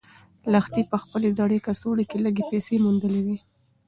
لښتې په خپلې زړې کڅوړې کې لږې پیسې موندلې وې.